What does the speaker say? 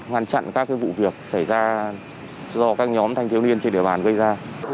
ngăn chặn các vụ việc xảy ra do các nhóm thanh thiếu niên trên địa bàn gây ra